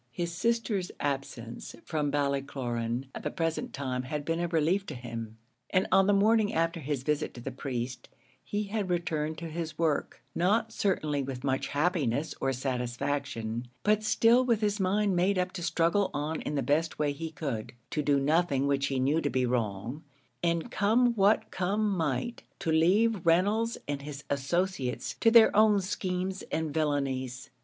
His sister's absence from Ballycloran at the present time had been a relief to him; and on the morning after his visit to the priest he had returned to his work, not certainly with much happiness or satisfaction, but still with his mind made up to struggle on in the best way he could to do nothing which he knew to be wrong, and come what come might, to leave Reynolds and his associates to their own schemes and villanies.